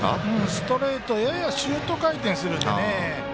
ストレートがややシュート回転するので。